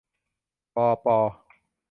บอ ปอ